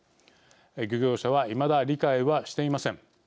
漁業者はいまだ理解はしていません。